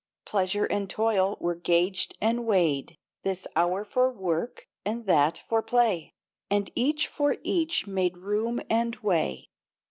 Pleasure and toil were gauged and weighed, This hour for work and that for play, And each for each made room and way.